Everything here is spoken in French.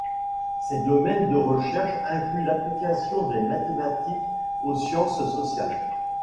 Ses domaines de recherche incluent l'application des mathématiques aux sciences sociales.